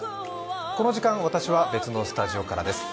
この時間、私は別のスタジオからです。